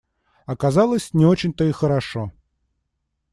Оказалось — не очень то и хорошо.